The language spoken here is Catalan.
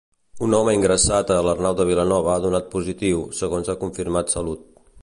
Un home ingressat a l'Arnau de Vilanova ha donat positiu, segons ha confirmat Salut.